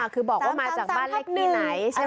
คือบอกว่ามาจากบ้านเลขที่ไหน